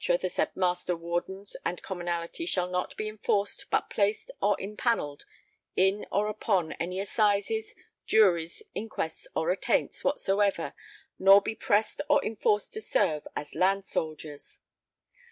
the said Master Wardens and Commonalty shall not] be enforced put placed or impannelled in or upon any Assises Juries Inquests or Attaints whatsoever [nor] be pressed or enforced to serve ... as land soldiers....